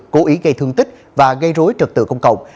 cố ý gây thương tích và gây rối trật tự công cộng